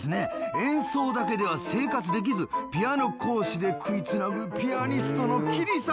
演奏だけでは生活できずピアノ講師で食い繋ぐピアニストのキリ様。